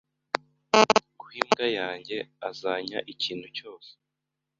Uhe imbwa yanjye. Azarya ikintu cyose.